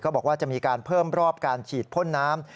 บอกว่าจะมีการเพิ่มรอบการฉีดพ่นน้ำ